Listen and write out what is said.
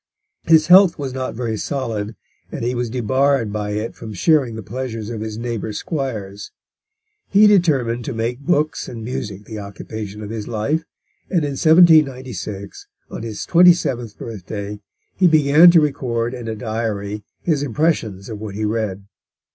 His health was not very solid, and he was debarred by it from sharing the pleasures of his neighbour squires. He determined to make books and music the occupation of his life, and in 1796, on his twenty seventh birthday, he began to record in a diary his impressions of what he read.